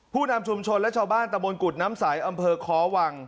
ผู้นำชุมชนและชาวบ้านตะมนตกุฎน้ำใสอำเภอคอวัง